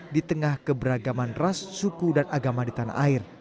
di tengah keberagaman ras suku dan agama di tanah air